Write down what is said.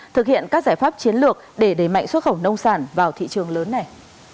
thực hiện các giải pháp chiến lược để đẩy mạnh xuất khẩu nông sản vào thị trường lớn này